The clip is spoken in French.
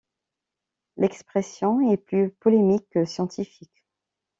L'expression est plus polémique que scientifique.